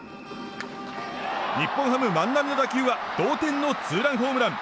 日本ハム万波の打球は同点のツーランホームラン！